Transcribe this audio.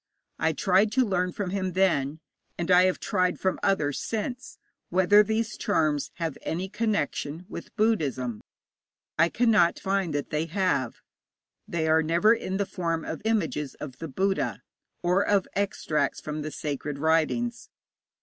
I tried to learn from him then, and I have tried from others since, whether these charms have any connection with Buddhism. I cannot find that they have. They are never in the form of images of the Buddha, or of extracts from the sacred writings.